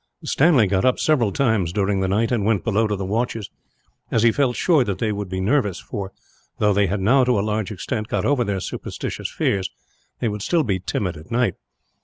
Stanley got up several times during the night, and went below to the watches; as he felt sure they would be nervous for, though they had now, to a large extent, got over their superstitious fears, they would still be timid at night.